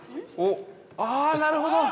◆ああ、なるほど。